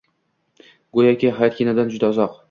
Goʻyoki hayot kinodan juda uzoq...